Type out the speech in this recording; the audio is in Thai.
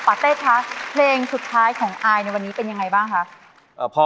เต้คะเพลงสุดท้ายของอายในวันนี้เป็นยังไงบ้างคะ